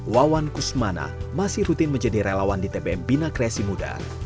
wawan kusmana masih rutin menjadi relawan di tbm bina kreasi muda